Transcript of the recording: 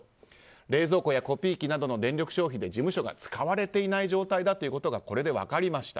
冷蔵庫やコピー機などの電力消費で、事務所が使われていない状態ということがこれで分かりました。